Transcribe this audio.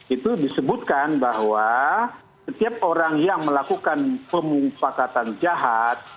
itu disebutkan bahwa setiap orang yang melakukan pemufakatan jahat